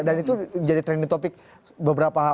dan itu menjadi trending topic beberapa